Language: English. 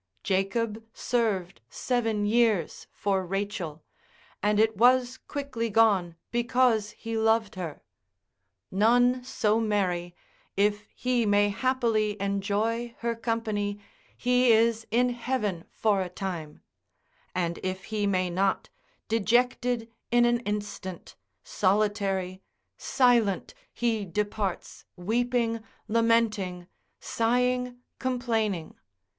Jacob served seven years for Rachel, and it was quickly gone because he loved her. None so merry; if he may happily enjoy her company, he is in heaven for a time; and if he may not, dejected in an instant, solitary, silent, he departs weeping, lamenting, sighing, complaining.